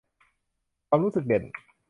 ความรู้สึกเด่น